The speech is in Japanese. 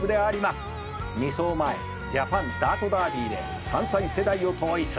「２走前ジャパンダートダービーで３歳世代を統一」